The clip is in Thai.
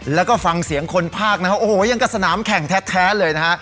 แล้วก็ฟังเสียงคนภาคนะครับโอ้โหยังกับสนามแข่งแท้เลยนะฮะ